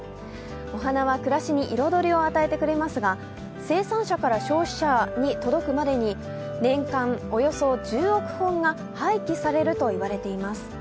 お花は暮らしに彩りを与えてくれますが生産者から消費者に届くまでに年間およそ１０億本が廃棄されるといわれています。